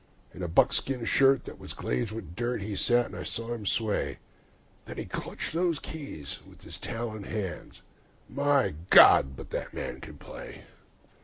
In a buckskin shirt that was glazed with dirt he sat, and I saw him sway; Then he clutched the keys with his talon hands my God! but that man could play.